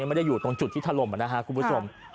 ไม่ได้อยู่ตรงจุดที่ถล่มนะครับคุณผู้ชม